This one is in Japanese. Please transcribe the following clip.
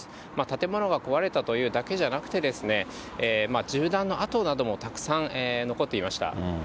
建物が壊れたというだけじゃなくて、銃弾の跡などもたくさん残っていました。